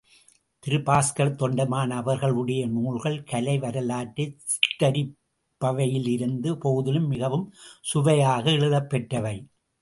திரு பாஸ்கரத் தொண்டைமான் அவர்களுடைய நூல்கள் கலை வரலாற்றை சித்திரிப்பவையாயிருந்த போதிலும் மிகவும் சுவையாக எழுதப் பெற்றவை.